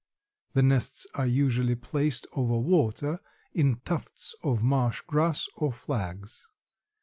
The nests are usually placed over water in tufts of marsh grass or flags.